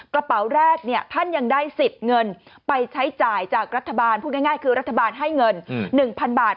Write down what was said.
กระเป๋าแรกท่านยังได้สิทธิ์เงินไปใช้จ่ายจากรัฐบาลพูดง่ายคือรัฐบาลให้เงิน๑๐๐๐บาท